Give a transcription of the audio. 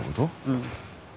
うん。